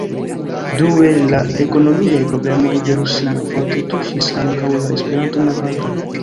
Due, la ekonomiaj problemoj de Rusio forte tuŝis ankaŭ la Esperanto-movadon.